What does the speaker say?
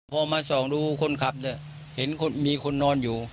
พอมาส่องดูคนขับเนี่ยเห็นมีคนนอนอยู่